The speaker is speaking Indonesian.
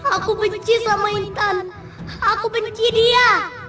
aku benci sama intan aku benci dia